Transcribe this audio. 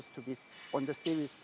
sampai tahun depan eropa